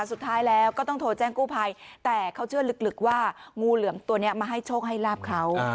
สุดท้ายแล้วก็ต้องโทรแจ้งกู้ภัยแต่เขาเชื่อลึกว่างูเหลือมตัวนี้มาให้โชคให้ลาบเขา